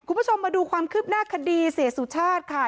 คุณผู้ชมมาดูความคืบหน้าคดีเสียสุชาติค่ะ